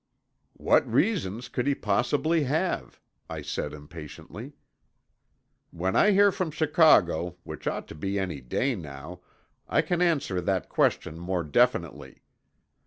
"What reasons could he possibly have?" I said impatiently. "When I hear from Chicago, which ought to be any day now, I can answer that question more definitely.